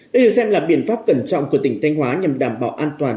đây được xem là biện pháp cẩn trọng của tỉnh thanh hóa nhằm đảm bảo an toàn